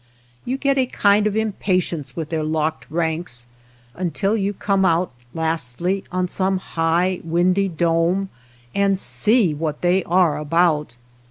You get a kind of impatience with their locked ranks, until you come out lastly on some high, windy dome and see what they are about.